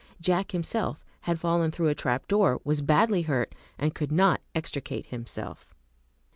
Jack himself had fallen through a trap door, was badly hurt, and could not extricate himself.